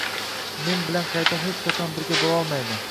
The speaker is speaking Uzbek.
men bilan qayta hech qachon birga boʻlolmaydi